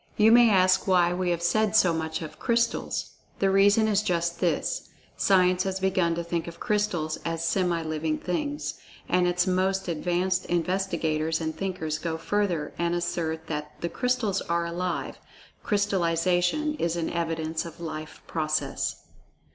You may ask why we have said so much of Crystals. The reason is just this—Science has begun to think of Crystals as semi living things, and its most advanced investigators and[Pg 50] thinkers go further and assert that "the Crystals are alive—Crystallization is an evidence of life process."